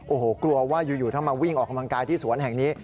โอ้โหกลัวว่าอยู่ถ้ามาวิ่งออกกำลังกายที่สวนแห่งนี้